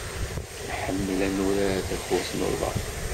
Nḥemmel ad nurar takurt n uḍar.